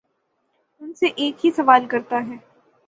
ان سے ایک ہی سوال کرتا ہے